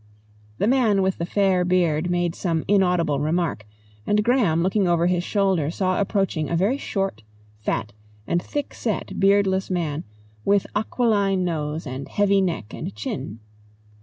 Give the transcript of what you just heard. The man with the fair beard made some inaudible remark, and Graham looking over his shoulder saw approaching a short, fat, and thickset beardless man, with aquiline nose and heavy neck and chin.